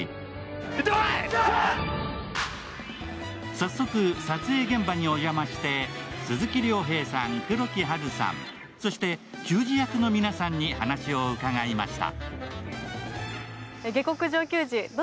早速、撮影現場にお邪魔して鈴木亮平さん、黒木華さん、そして球児役の皆さんに話を伺いました。